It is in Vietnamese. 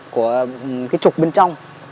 của cái trục bên trong